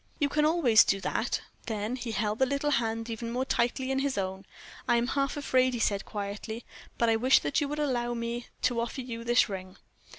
"You can always do that." Then he held the little hand even more tightly in his own. "I am half afraid," he said, quietly; "but I wish that you would allow me to offer you this ring."